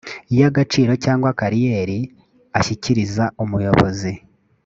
y agaciro cyangwa kariyeri ashyikiriza umuyobozi